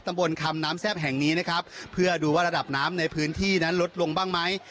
บนคำน้ำแซ่บแห่งนี้นะครับเพื่อดูว่าระดับน้ำในพื้นที่นั้นลดลงบ้างไหม